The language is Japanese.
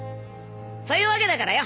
そういうワケだからよ